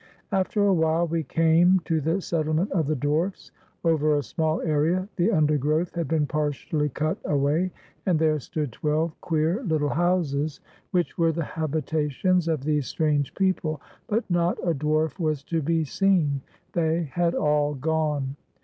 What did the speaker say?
After a while we came to the settlement of the dwarfs. Over a small area the undergrowth had been partially cut away, and there stood twelve queer little houses, which were the habitations of these strange people, but not a dwarf was to be seen. They had all gone.